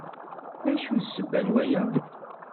D acu d ssebba n waya?